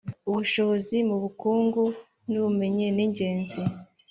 Ubushobozi mu bukungu n ‘ubumenyi ningenzi.